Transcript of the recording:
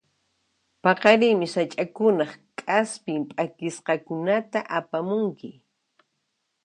Paqarinmi sach'akunaq k'aspin p'akisqakunata apamunki.